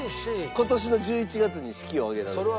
今年の１１月に式を挙げられます。